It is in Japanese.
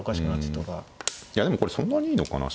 でもこれそんなにいいのかな